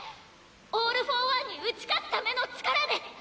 オール・フォー・ワンに打ち勝つための力です！